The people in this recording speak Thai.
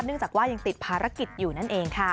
จากว่ายังติดภารกิจอยู่นั่นเองค่ะ